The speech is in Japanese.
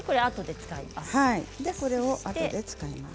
これは、あとで使います。